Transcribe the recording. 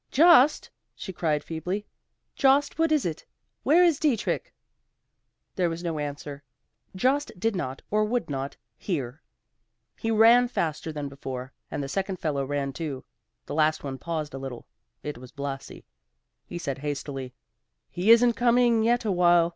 "Jost," she cried feebly, "Jost, what is it? where is Dietrich?" There was no answer; Jost did not or would not, hear. He ran faster than before, and the second fellow ran too. The last one paused a little; it was Blasi. He said hastily: "He isn't coming yet awhile.